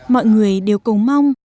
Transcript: mọi người đều cầu mong